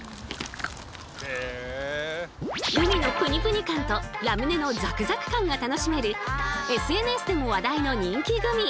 グミのプニプニ感とラムネのザクザク感が楽しめるＳＮＳでも話題の人気グミ！